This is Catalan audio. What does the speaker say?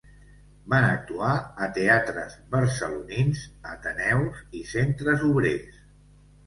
Van actuar a teatres barcelonins, ateneus i centres obrers.